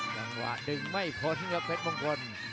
จังหวะดึงไม่พ้นครับเพชรมงคล